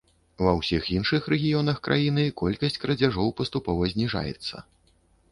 Ва ўсіх іншых рэгіёнах краіны колькасць крадзяжоў паступова зніжаецца.